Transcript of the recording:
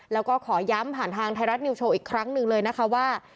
แล้วก็ขอย้ำผ่านทางไทยรัฐนิวโชว์อีกครั้งหนึ่งเลยนะคะว่า